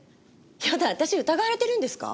やだ私疑われてるんですか？